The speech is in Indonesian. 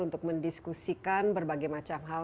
untuk mendiskusikan berbagai macam hal